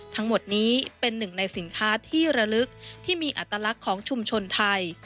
ทั้งหมดนี้เป็นหนึ่งในสินค้าที่ระลึกที่มีอัตลักษณ์ของชุมชนไทย